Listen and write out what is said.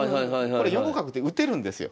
これ４五角って打てるんですよ。